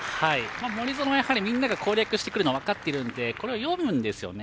森薗はやはりみんなが攻略してくるの分かってるので読むんですよね。